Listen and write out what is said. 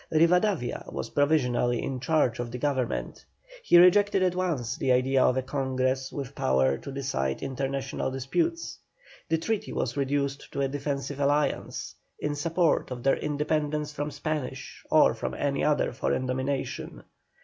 Rivadavia was provisionally in charge of the Government. He rejected at once the idea of a Congress with power to decide international disputes. The treaty was reduced to a defensive alliance, in support of their independence from Spanish or from any other foreign domination.